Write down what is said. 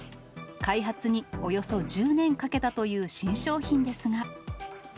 開発におよそ１０年かけたという新商品ですが。